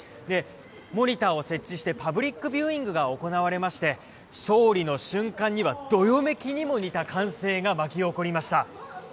モニターを設置してパブリックビューイングが行われまして勝利の瞬間にはどよめきにも似た歓声が巻き起こりました。